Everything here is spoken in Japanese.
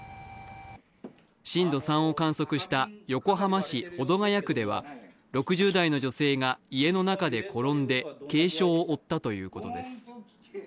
震度３を観測した横浜市保土ケ谷区では６０代の女性が家の中で転んで軽傷を負ったということです。